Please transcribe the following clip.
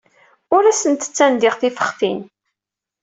Ur asent-ttandiɣ tifextin.